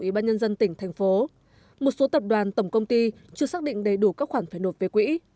ủy ban nhân dân tỉnh thành phố một số tập đoàn tổng công ty chưa xác định đầy đủ các khoản phải nộp về quỹ